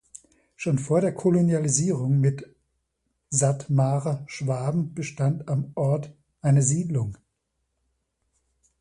Schon vor der Kolonialisierung mit Sathmarer Schwaben bestand am Ort eine Siedlung.